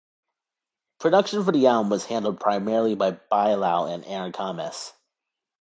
Production for the album was handled primarily by Bilal and Aaron Comess.